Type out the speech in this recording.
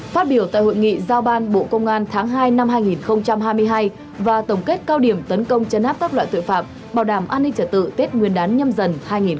phát biểu tại hội nghị giao ban bộ công an tháng hai năm hai nghìn hai mươi hai và tổng kết cao điểm tấn công chân áp các loại tội phạm bảo đảm an ninh trả tự tết nguyên đán nhâm dần hai nghìn hai mươi bốn